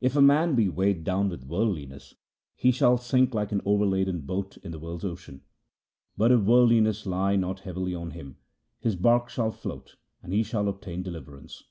If a man be weighed down with worldliness, he shall sink like an overladen boat in the world's ocean; but, if worldliness lie not heavily on him, his bark shall float, and he shall obtain deliverance.'